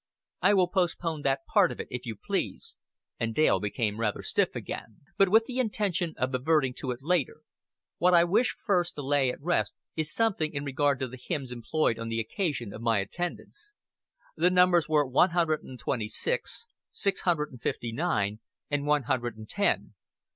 "I will postpone that part of it, if you please" and Dale became rather stiff again "but with the intention of adverting to it later. What I wish first to lay at rest is something in regard to the hymns employed on the occasion of my attendance. The numbers were one hundred and twenty six, six hundred and fifty nine, and one hundred and ten.